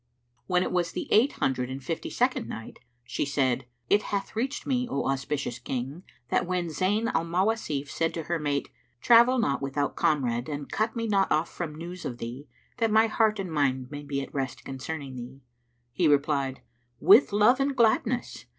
When it was the Eight Hundred and Fifty second Night, She said, It hath reached me, O auspicious King, that when Zayn al Mawasif said to her mate, "Travel not without comrade and cut me not off from news of thee, that my heart and mind may be at rest concerning thee," he replied, "With love and gladness!